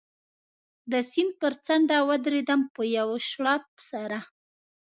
د سیند پر څنډه و درېدم، په یوه شړپ سره.